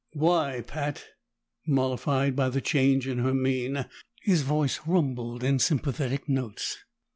"Why, Pat?" Mollified by the change in her mien, his voice rumbled in sympathetic notes.